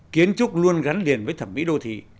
kiến trúc luôn gắn liền với thẩm mỹ đô thị